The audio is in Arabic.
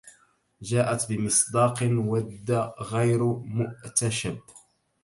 جاءت بمصداق ود غير مؤتشب